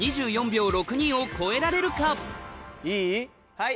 はい。